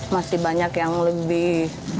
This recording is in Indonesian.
masih banyak yang lebih